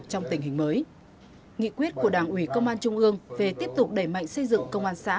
trong tình hình mới nghị quyết của đảng ủy công an trung ương về tiếp tục đẩy mạnh xây dựng công an xã